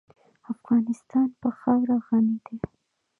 افغانستان په خاوره غني دی.